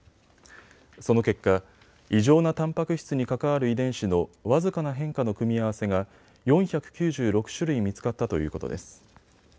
その結果、異常なたんぱく質に関わる遺伝子の僅かな変化の組み合わせが４９６種類見つかったということです。